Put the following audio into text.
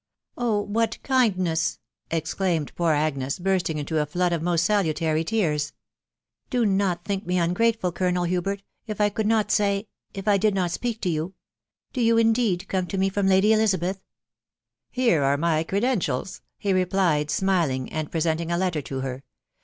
" Oh ! what kindness !" exclaimed poor Agnes, bursting into a flood of most salutary tears. "Do not think me ungrateful, Colonel Hubert, if I could not say .... if I did not speak to you Do you, indeed, come to me from Lady Elizabeth ?"" Here are my credentials," he replied, smiling, and pre senting a letter to her.